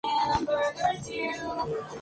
Muchas otras cuestiones aumentaron las tensiones.